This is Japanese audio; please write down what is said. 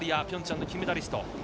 ピョンチャンの金メダリスト。